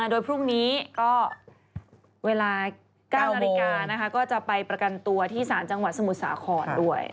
โดยพรุ่งนี้ก็เวลา๙นาฬิกานะคะก็จะไปประกันตัวที่ศาลจังหวัดสมุทรสาครด้วย